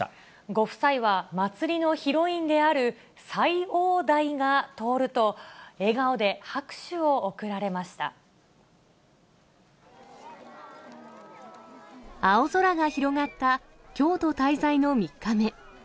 ご夫妻は祭りのヒロインである斎王代が通ると、青空が広がった京都滞在の３日目。